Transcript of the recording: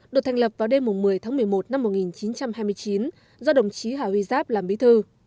được thành lập vào đêm một mươi tháng một mươi một năm một nghìn chín trăm hai mươi chín do đồng chí hà huy giáp làm bí thư